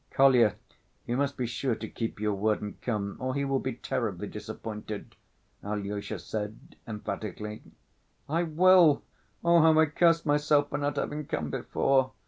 "Kolya, you must be sure to keep your word and come, or he will be terribly disappointed," Alyosha said emphatically. "I will! Oh, how I curse myself for not having come before!"